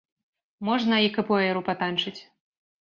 Можна і капуэйру патанчыць.